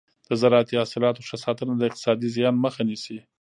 د زراعتي حاصلاتو ښه ساتنه د اقتصادي زیان مخه نیسي.